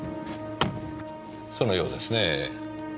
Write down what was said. そのようですね。